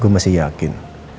gue masih yakin